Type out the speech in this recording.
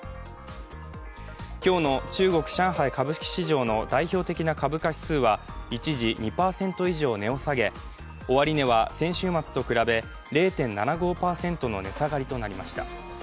今日の中国・上海株式市場の代表的な株価指数は一時、２％位上、値を下げ終値は先週末と比べ０．７５％の値下がりとなりました。